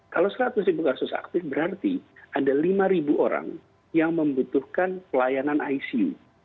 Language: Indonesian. kalau seratus ribu kasus aktif berarti ada lima orang yang membutuhkan pelayanan icu